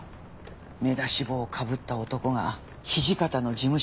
目出し帽をかぶった男が土方の事務所